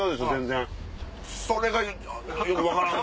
それがよく分からん。